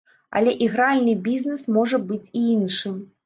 Але ігральны бізнэс можа быць і іншым.